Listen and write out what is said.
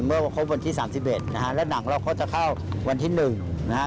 เมื่อเข้าบนที่๓๑นะครับแล้วหนังเราเขาจะเข้าวันที่๑นะครับ